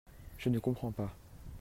Je ne comprends pas.